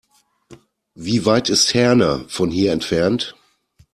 Wie weit ist Herne von hier entfernt?